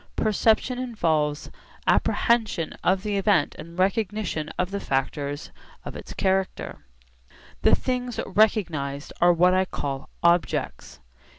Perception involves apprehension of the event and recognition of the factors of its character. The things recognised are what I call 'objects.'